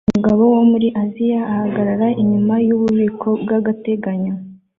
Umugabo wo muri Aziya ahagarara inyuma yububiko bwagateganyo